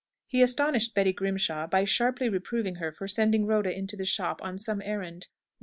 He astonished Betty Grimshaw by sharply reproving her for sending Rhoda into the shop on some errand.